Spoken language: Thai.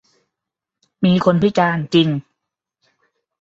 มีคนพิการจริง